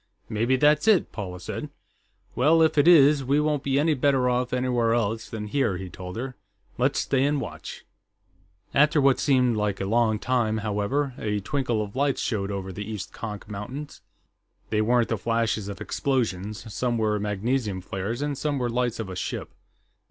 "Maybe that's it," Paula said. "Well, if it is, we won't be any better off anywhere else than here," he told her. "Let's stay and watch." After what seemed like a long time, however, a twinkle of lights showed over the East Konk Mountains. They weren't the flashes of explosions; some were magnesium flares, and some were the lights of a ship.